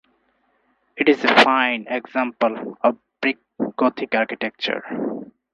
It is a fine example of Brick Gothic architecture.